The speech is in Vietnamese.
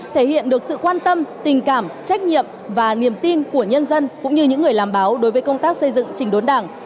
thể hiện được sự quan tâm tình cảm trách nhiệm và niềm tin của nhân dân cũng như những người làm báo đối với công tác xây dựng trình đốn đảng